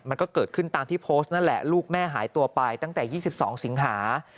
มันก็เกิดขึ้นตามที่โพสต์นั่นแหละลูกแม่หายตัวไปตั้งแต่๒๒สิงหา